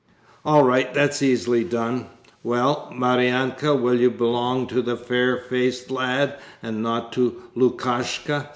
'All right, that's easily done! Well, Maryanka, will you belong to the "fair faced lad", and not to Lukashka?'